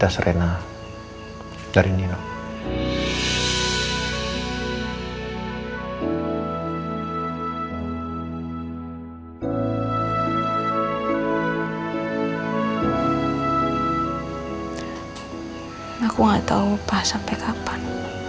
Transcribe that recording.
aku gak tau papa sampe kapan